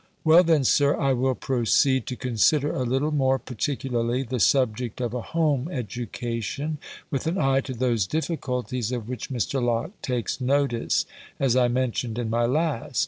Well then, Sir, I will proceed to consider a little more particularly the subject of a home education, with an eye to those difficulties, of which Mr. Locke takes notice, as I mentioned in my last.